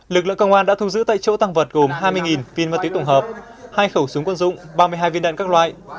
lực lượng công an đã thu giữ tại chỗ tăng vật gồm hai mươi viên ma túy tổng hợp hai khẩu súng quân dụng ba mươi hai viên đạn các loại